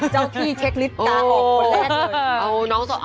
เจ้าพี่เช็คลิสต์ตาหกกว่าแรงเลย